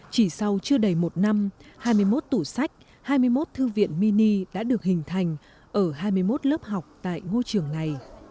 chỉ sau chưa đầy một năm hai mươi một tủ sách hai mươi một thư viện mini đã được hình thành ở hai mươi một lớp học tại ngôi trường này